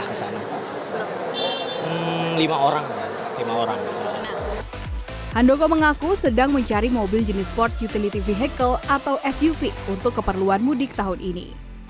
handoko mengaku sedang mencari mobil jenis port utility vehicle atau suv untuk keperluan mudik tahun ini